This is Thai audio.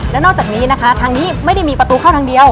และนอกจากนี้นะคะทางนี้ไม่ได้มีประตูเข้าทางเดียว